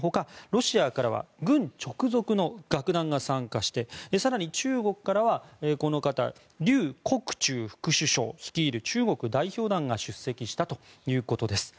ロシアからは軍直属の楽団が参加して更に中国からはリュウ・コクチュウ副首相率いる中国代表団が出席したということです。